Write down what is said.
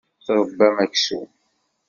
Tṛebbam aksum.